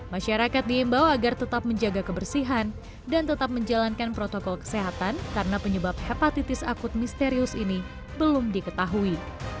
masyarakat diimbau agar tetap menjaga kebersihan dan tetap menjalankan protokol kesehatan karena penyebab hepatitis akut misterius ini belum diketahui